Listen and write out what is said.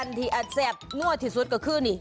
ที่อาจแซ่บนั่วที่สุดก็คือนี่